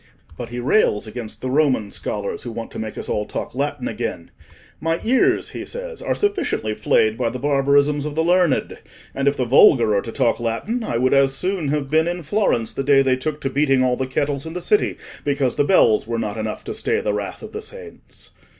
But he rails against the Roman scholars who want to make us all talk Latin again: 'My ears,' he says, 'are sufficiently flayed by the barbarisms of the learned, and if the vulgar are to talk Latin I would as soon have been in Florence the day they took to beating all the kettles in the city because the bells were not enough to stay the wrath of the saints.